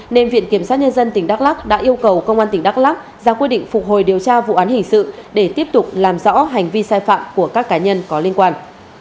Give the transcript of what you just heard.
nền viện kiểm soát nhân dân tỉnh đắk lắk đã yêu cầu công an tỉnh đắk lắk ra quy định phục hồi điều tra vụ án hình sự để tiếp tục làm rõ hành vi sai phạm của các cá nhân có liên quan